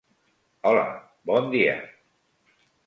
Hola, bon dia.